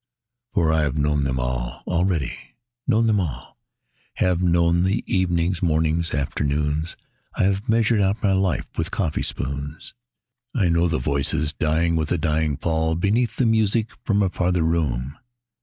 For I have known them all already, known them all: Have known the evenings, mornings, afternoons, I have measured out my life with coffee spoons; I know the voices dying with a dying fall Beneath the music from a farther room.